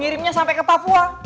wah ngirimnya sampe ke papua